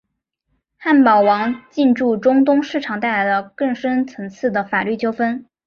汉堡王进驻中东市场带来了更深层次的法律纠纷。